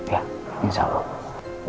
ya insya allah